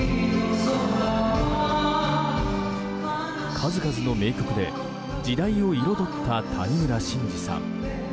数々の名曲で時代を彩った谷村新司さん。